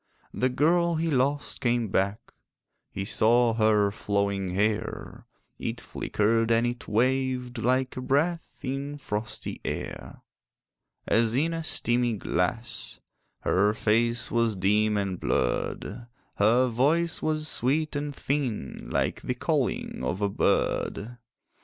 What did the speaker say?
The girl he lost came back: He saw her flowing hair; It flickered and it waved Like a breath in frosty air. As in a steamy glass, Her face was dim and blurred; Her voice was sweet and thin, Like the calling of a bird.